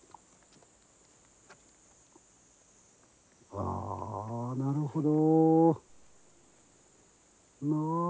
ああなるほど。